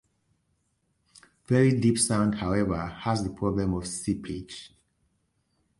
Very deep sand; however, has the problem of seepage.